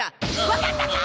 分かったか！